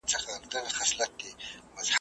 د زلمیو تویېدل پکښي سرونه ,